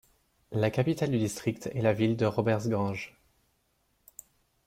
La capitale du district est la ville de Robertsganj.